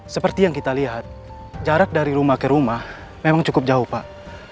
seperti yang kita lihat jarak dari rumah ke rumah memang cukup jauh pak